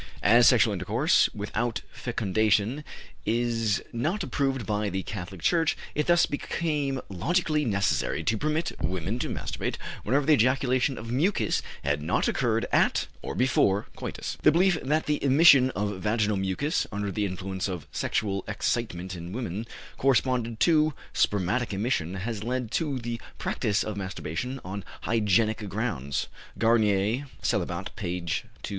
As sexual intercourse without fecundation is not approved by the Catholic Church, it thus became logically necessary to permit women to masturbate whenever the ejaculation of mucus had not occurred at or before coitus. The belief that the emission of vaginal mucus, under the influence of sexual excitement in women, corresponded to spermatic emission, has led to the practice of masturbation on hygienic grounds. Garnier (Célibat, p.